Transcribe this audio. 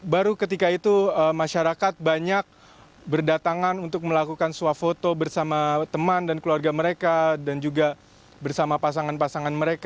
baru ketika itu masyarakat banyak berdatangan untuk melakukan swafoto bersama teman dan keluarga mereka dan juga bersama pasangan pasangan mereka